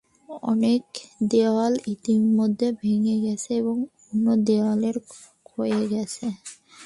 অনেক দেয়াল ইতোমধ্যে ভেঙ্গে গেছে এবং অন্যান্য দেয়াল ক্ষয়ে গেছে।